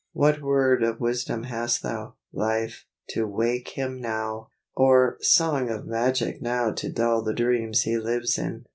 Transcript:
What word of wisdom hast thou, Life, to wake Him now! or song of magic now to dull The dreams he lives in!